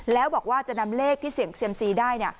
แล้วบอกว่าจะนำเลขที่เสี่ยงเซียมซีได้